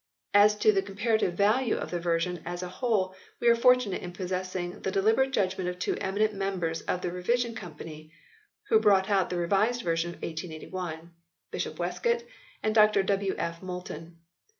As to the comparative value of the version as a whole we are fortunate in possessing the deliberate judgment of two eminent members of the Revision Company who brought out the Revised Version of 1881 Bishop Westcott and Dr W. F. Moulton.